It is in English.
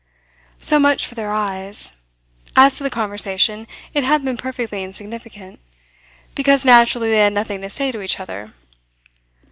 So much for their eyes. As to the conversation, it had been perfectly insignificant because naturally they had nothing to say to each other.